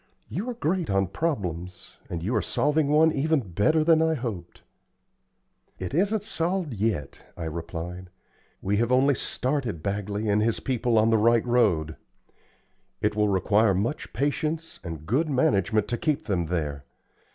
"You are great on problems, and you are solving one even better than I hoped." "It isn't solved yet," I replied. "We have only started Bagley and his people on the right road. It will require much patience and good management to keep them there.